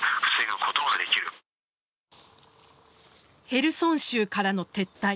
ヘルソン州からの撤退